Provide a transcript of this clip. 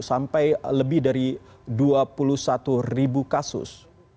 sampai lebih dari dua puluh satu ribu kasus